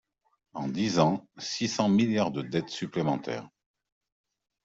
En dix ans, six cents milliards de dettes supplémentaires